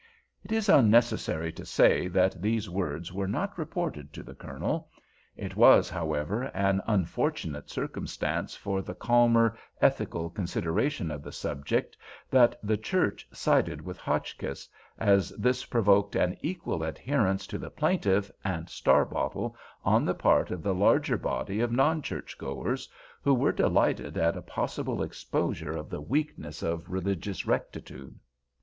It is unnecessary to say that these words were not reported to the Colonel. It was, however, an unfortunate circumstance for the calmer, ethical consideration of the subject that the church sided with Hotchkiss, as this provoked an equal adherence to the plaintiff and Starbottle on the part of the larger body of non church goers, who were delighted at a possible exposure of the weakness of religious rectitude.